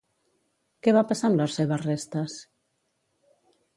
Què va passar amb les seves restes?